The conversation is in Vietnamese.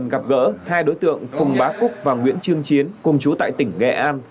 gặp gỡ hai đối tượng phùng bá cúc và nguyễn trương chiến cùng chú tại tỉnh nghệ an